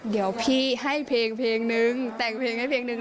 เดี๋ยวพี่ให้เพลงเพลงนึงแต่งเพลงให้เพลงนึง